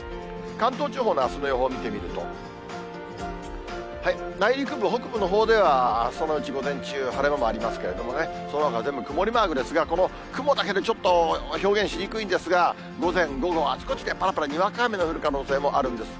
関東地方のあすの予報を見てみると、内陸部、北部のほうでは朝のうち、午前中、晴れ間もありますけれどもね、そのほか全部曇りマークですが、この雲だけでちょっと表現しにくいんですが、午前、午後、あちこちでぱらぱらにわか雨の降る可能性もあるんです。